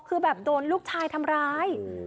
คือแบบโดนลูกชายทำร้าย